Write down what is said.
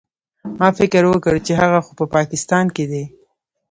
ما فکر وکړ چې هغه خو په پاکستان کښې دى.